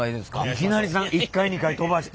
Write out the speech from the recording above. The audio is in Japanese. いきなり３階１階２階飛ばして。